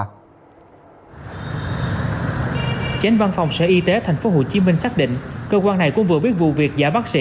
chánh văn phòng sở y tế tp hcm xác định cơ quan này cũng vừa biết vụ việc giả bác sĩ